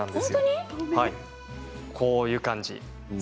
こういう感じ。